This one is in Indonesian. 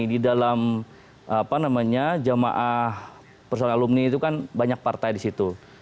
di dalam jamaah personal alumni itu kan banyak partai di situ